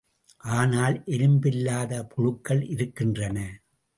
ஆனால் எலும்பில்லாத புழுக்கள் இறக்கின்றன.